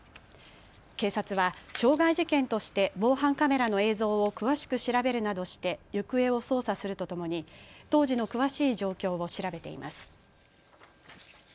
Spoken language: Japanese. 警察は傷害事件として防犯カメラの映像を詳しく調べるなどして行方を捜査するとともに当時の詳しい状況を調べています。